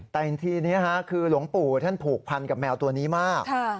แต่อีกทีนี้คือหลวงปู่ท่านผูกพันกับแมวตัวนี้มาก